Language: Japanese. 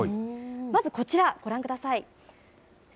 まずこちらご覧ください。